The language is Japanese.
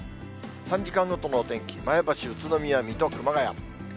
３時間ごとのお天気、前橋、宇都宮、水戸、熊谷。